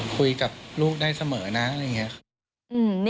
คุยกับลูกได้เสมอนะอะไรอย่างนี้